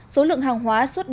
số lượng hàng hóa xuất khẩu